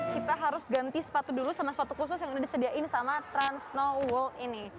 kita harus ganti sepatu dulu sama sepatu khusus yang udah disediain sama trans know world ini